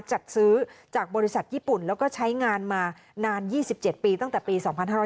จัดซื้อจากบริษัทญี่ปุ่นแล้วก็ใช้งานมานาน๒๗ปีตั้งแต่ปี๒๕๕๙